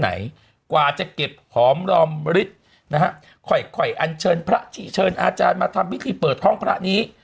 ไหนกว่าจะเก็บหอมรอมฤทธิ์นะฮะค่อยค่อยอันเชิญพระที่เชิญอาจารย์มาทำพิธีเปิดห้องพระนี้